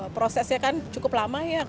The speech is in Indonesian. prosesnya kan cukup lama ya mas tujuh bulan gitu